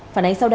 phản ánh sau đây